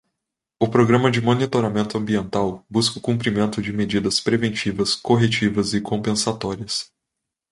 O programa de monitoramento ambiental busca o cumprimento de medidas preventivas, corretivas e compensatórias.